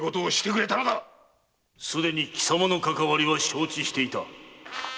・既に貴様のかかわりは承知していた！